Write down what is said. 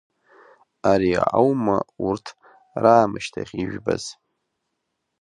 Ари аума урҭ раамышьҭахь ижәбаз?